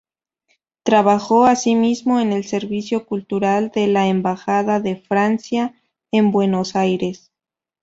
Trabajó, asimismo, en el Servicio Cultural de la Embajada de Francia en Buenos Aires.